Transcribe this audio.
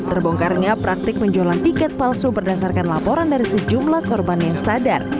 terbongkarnya praktik penjualan tiket palsu berdasarkan laporan dari sejumlah korban yang sadar